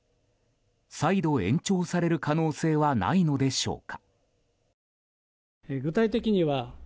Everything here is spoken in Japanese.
再度、延長される可能性はないのでしょうか。